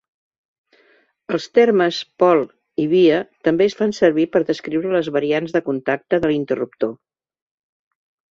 Els termes pol i via també es fan servir per descriure les variants de contacte de l'interruptor.